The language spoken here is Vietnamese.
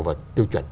và tiêu chuẩn